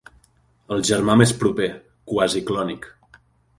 El germà més proper, quasi clònic.